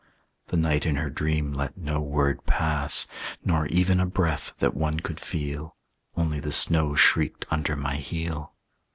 The night in her dream let no word pass, Nor ever a breath that one could feel; Only the snow shrieked under my heel.